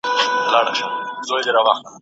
تاته په سرو سترګو هغه شپه بندیوان څه ویل